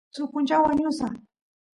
suk punchaw wañusaq